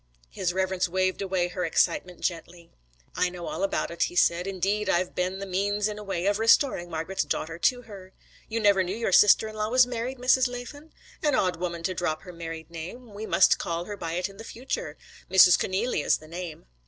His Reverence waved away her excitement gently. 'I know all about it,' he said. 'Indeed I've been the means in a way of restoring Margret's daughter to her. You never knew your sister in law was married, Mrs. Laffan? An odd woman to drop her married name. We must call her by it in future. Mrs. Conneely is the name.'